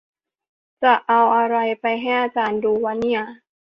จะเอาอะไรไปให้อาจารย์ดูวะเนี่ย